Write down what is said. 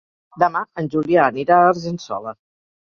Demà en Julià anirà a Argençola.